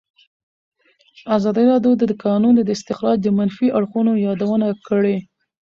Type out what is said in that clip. ازادي راډیو د د کانونو استخراج د منفي اړخونو یادونه کړې.